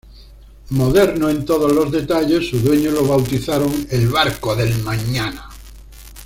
Moderno en todos los detalles, sus dueños lo bautizaron "el barco del mañana".